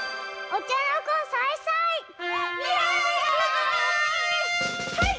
お茶の子さいさい！